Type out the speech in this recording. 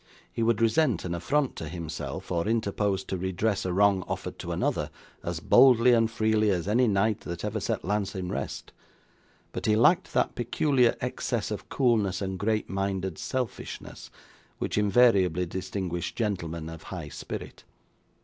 He would resent an affront to himself, or interpose to redress a wrong offered to another, as boldly and freely as any knight that ever set lance in rest; but he lacked that peculiar excess of coolness and great minded selfishness, which invariably distinguish gentlemen of high spirit.